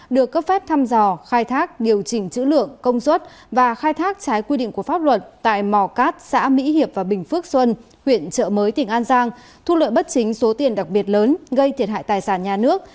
được cấp phép thăm dò khai thác điều chỉnh chữ lượng công suất và khai thác trái quy định của pháp luật tại mò cát xã mỹ hiệp và bình phước xuân huyện trợ mới tỉnh an giang thu lợi bất chính số tiền đặc biệt lớn gây thiệt hại tài sản nhà nước